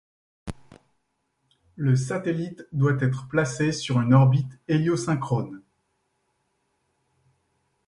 Le satellite doit être placé sur une orbite héliosynchrone.